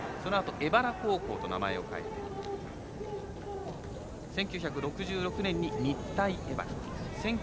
そのあと、荏原高校と名前を変え１９６６年に日体荏原。